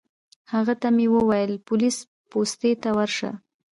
هغه ته مې وویل پولیس پوستې ته ورشه.